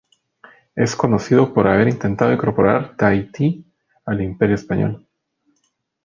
Es conocido por haber intentado incorporar Tahití al Imperio español.